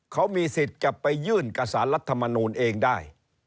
เขามีสิทธิ์จะไปยื่นกับสารรัฐมนูลเองได้